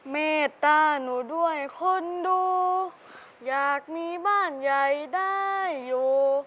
เมตตาหนูด้วยคนดูอยากมีบ้านใหญ่ได้อยู่